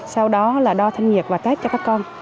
sau đó là đo thanh nghiệp và test cho các con